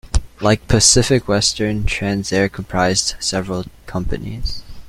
Like Pacific Western, Transair comprised several companies.